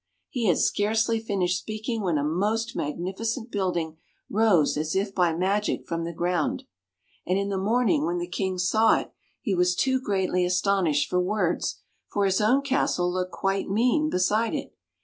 " He had scarcely finished speaking when a most magnificent building rose as if by magic from the ground. And in the morning, when the King saw it, he was too greatly astonished for words, for his own castle looked quite mean be side it.